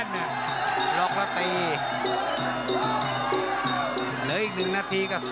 หลอกเอามี๑นาทีครับ